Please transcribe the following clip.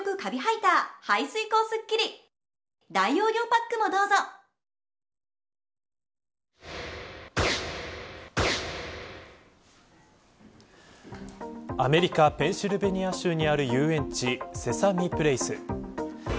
子どもたちは手を上げアメリカペンシルベニア州にある遊園地セサミプレイス。